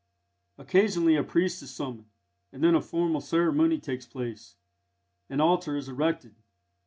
Occasionally a priest is summoned, and then a formal ceremony takes place. An altar is erected.